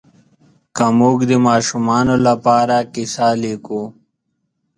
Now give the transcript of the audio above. که موږ د ماشومانو لپاره کیسه لیکو